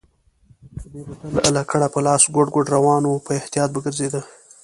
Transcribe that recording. دی به تل لکړه په لاس ګوډ ګوډ روان و، په احتیاط به ګرځېده.